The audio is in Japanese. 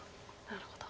なるほど。